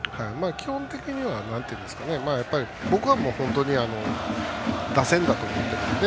基本的には僕は本当に打線だと思っているので。